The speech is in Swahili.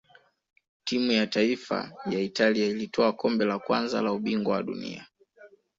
timu ya taifa ya italia ilitwaa kombe la kwanza la ubingwa wa dunia